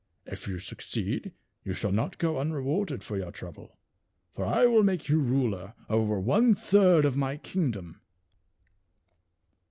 If you succeed you shall not go unrewarded f of your trouble ; for I will make you ruler over one third of my kingdom."